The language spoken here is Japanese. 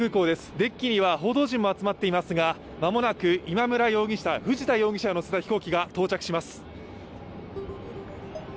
デッキには報道陣も集まっていますがまもなく今村容疑者藤田容疑者を乗せた飛行機が到着します。